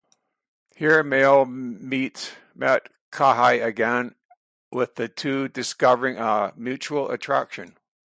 Here, Mao met Kaihui again, with the two discovering a mutual attraction.